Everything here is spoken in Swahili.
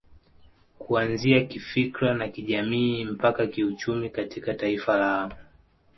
Kuanzia kifikra na kijamii mpaka kiuchumi katika taifa lao